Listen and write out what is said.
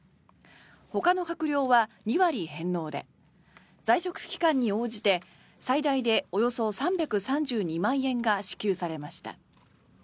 ほかの閣僚は２割返納で在職期間に応じて最大でおよそ３３２万円が支給されました。